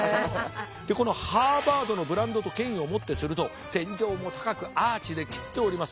このハーバードのブランドと権威をもってすると天井も高くアーチで切っております。